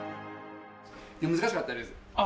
難しかったですあっ